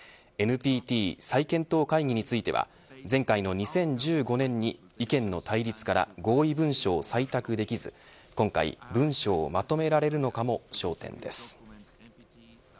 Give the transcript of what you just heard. ＮＰＴ再検討会議については前回の２０１５年に意見の対立から合意文書を採択できず今回、文書をまとめられるのかも焦点です。